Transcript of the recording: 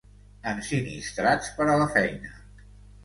Ensinistrats per a la feina.